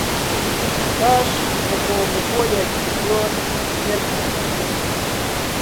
پاش مقۆمقۆیەکی زۆر، پێک هاتین.